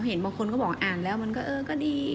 เห็นบางคนก็บอกอ่านแล้วมันก็เออก็ดี